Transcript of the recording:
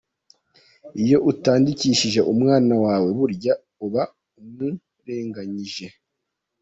Iyo utandikishije umwana wawe burya uba umurenganyije.